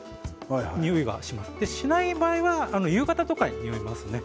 しない場合は夕方とかに、においますね。